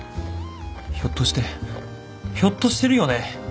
ひょっとしてひょっとしてるよね？